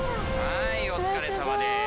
はいお疲れさまです。